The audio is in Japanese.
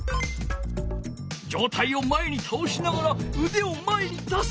上体を前にたおしながらうでを前に出す。